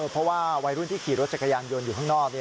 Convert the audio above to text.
เพราะว่าวัยรุ่นที่ขี่รถจักรยานยนต์อยู่ข้างนอก